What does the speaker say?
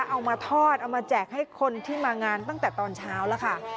เอามาทอดเอามาแจกให้คนที่มางานตั้งแต่ตอนเช้าแล้วค่ะ